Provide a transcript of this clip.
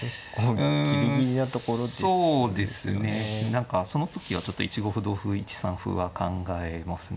何かその時はちょっと１五歩同歩１三歩は考えますね。